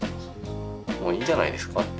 もういいんじゃないですかって。